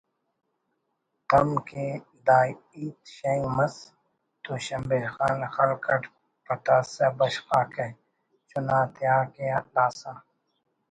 تم کہ دا ہیت شینک مس تو شمبے خان خلق اٹ پتاسہ بشخاکہ چناتیاکہ داسہ